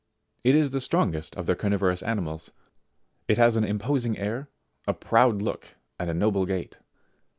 It is the strongest of the carnivorous animals. It has an imposing air, a proud look, and noble gait.